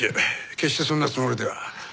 決してそんなつもりでは。